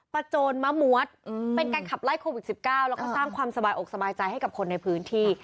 โจรมะมวดเป็นการขับไล่โควิด๑๙แล้วก็สร้างความสบายอกสบายใจให้กับคนในพื้นที่